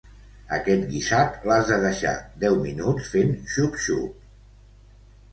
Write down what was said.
Aquest guisat, l'has de deixar deu minuts fent xup-xup.